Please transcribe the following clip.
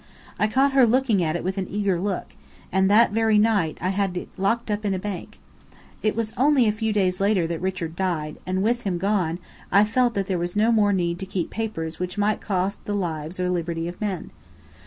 I caught her looking at it with an eager look; and that very night I had it locked up in a bank. It was only a few days later that Richard died; and with him gone, I felt there was no more need to keep papers which might cost the lives or liberty of men.